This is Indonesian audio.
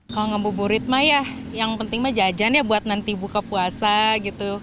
kalau ngebuburit mah ya yang penting mah jajan ya buat nanti buka puasa gitu